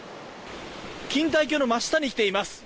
錦帯橋の真下に来ています。